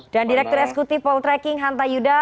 dan direktur eskutif poltreking hanta yuda